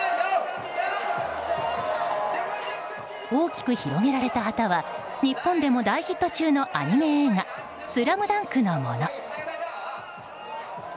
大きく広げられた旗は日本でも大ヒット中のアニメ映画「ＳＬＡＭＤＵＮＫ」のもの。